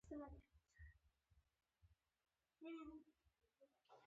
دښمن ته یې بخښنه نه کول.